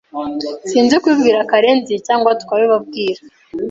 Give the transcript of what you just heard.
Sinzi kubibwira Karenzi cyangwa kutabibabwira.